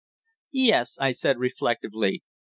"Yes," I said reflectively.